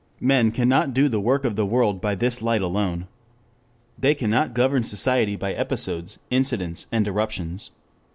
Men cannot do the work of the world by this light alone. They cannot govern society by episodes, incidents, and eruptions.